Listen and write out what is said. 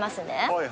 はい